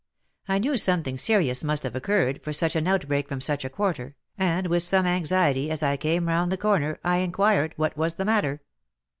I knew some thing serious must have occurred for such an outbreak from such a quarter, and with some anxiety, as I came round the corner, I inquired what was the matter